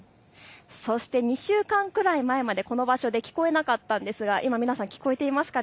そして２週間くらい前までこの場所で聞こえなかったんですが今、皆さん聞こえていますか。